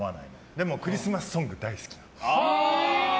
でもクリスマスソング大好き。